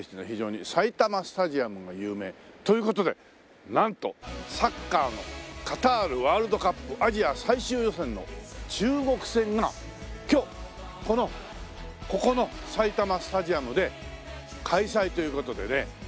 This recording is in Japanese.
非常に埼玉スタジアムが有名。という事でなんとサッカーのカタールワールドカップアジア最終予選の中国戦が今日このここの埼玉スタジアムで開催という事でね。